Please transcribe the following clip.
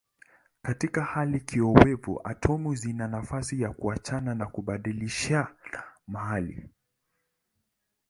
Katika hali kiowevu atomu zina nafasi ya kuachana na kubadilishana mahali.